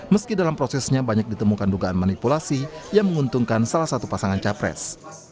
meski dalam prosesnya banyak ditemukan dugaan manipulasi yang menguntungkan salah satu pasangan capres